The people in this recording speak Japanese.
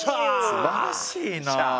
すばらしいな。